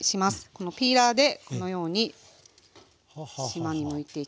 このピーラーでこのようにしまにむいていきます。